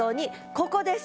ここです。